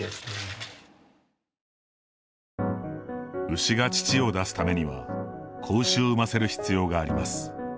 牛が乳を出すためには子牛を産ませる必要があります。